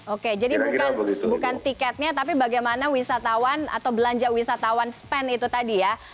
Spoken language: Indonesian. oke jadi bukan tiketnya tapi bagaimana wisatawan atau belanja wisatawan spend itu tadi ya